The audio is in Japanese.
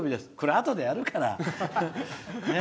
あとでやるから。